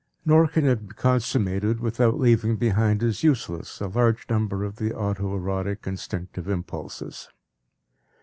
Nor can it be consummated without leaving behind as useless a large number of the auto erotic instinctive impulses.